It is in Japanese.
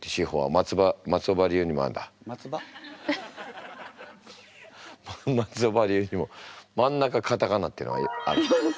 松尾葉流にもまんなかカタカナっていうのはある。